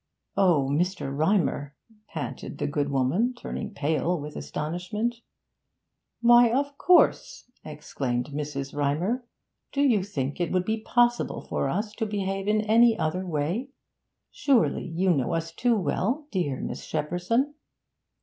'Oh, Mr. Rymer!' panted the good woman, turning pale with astonishment. 'Why, of course!' exclaimed Mrs. Rymer. 'Do you think it would be possible for us to behave in any other way? Surely you know us too well, dear Miss Shepperson!'